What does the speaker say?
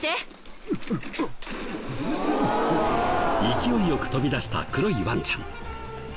勢いよく飛び出した黒いワンちゃん。